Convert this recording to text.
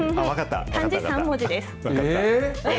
漢字３文字です。